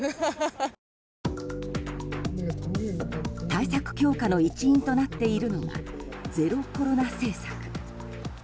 対策強化の一因となっているのがゼロコロナ政策。